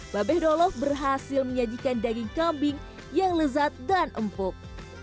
babe dolog berhasil menyajikan daging kambing yang lezat dan empuk